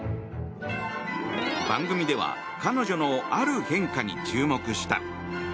番組では彼女のある変化に注目した。